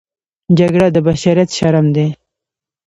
جګړه د بشریت شرم دی